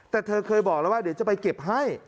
แต่เธอเคยบอกแล้วว่าเดี๋ยวจะไปเก็บให้